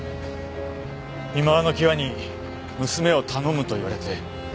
今わの際に娘を頼むと言われて。